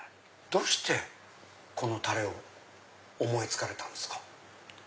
どうしてこのタレを思い付かれたんですか？